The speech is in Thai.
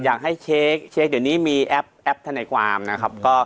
อยากให้เช็คเดี๋ยวนี้มีแอปทนายความนะครับ